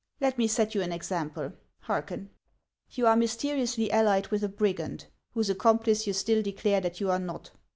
Let me set you an example ; hearken. You are mysteriously allied with a brigand, whose accomplice you still declare that you are not.